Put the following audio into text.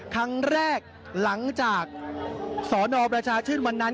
ครั้งแรกหลังจากสนประชาชื่นวันนั้น